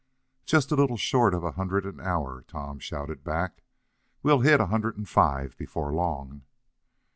"Just a little short of a hundred an hour!" Tom shouted back. "We'll hit a hundred and five before long."